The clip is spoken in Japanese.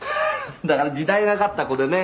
「だから時代がかった子でね。